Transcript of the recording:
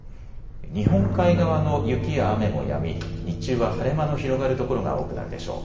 日本海側の雪や雨もやみ日中は晴れ間の広がる所が多くなるでしょう。